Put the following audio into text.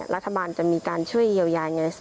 รัฐบาลจะมีการช่วยเยียวยาอย่างนี้